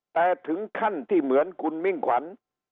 แต่ถึงขั้นที่เหมือนคุณมิ่งขวัญ